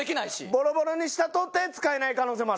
ボロボロにしたとて使えない可能性もある。